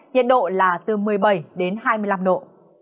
nhiệt độ là từ một mươi bảy đến hai mươi năm độ